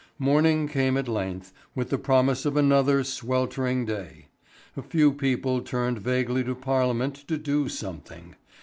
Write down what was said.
Morning came at length, with the promise of another sweltering day. A few people turned vaguely to Parliament to do something.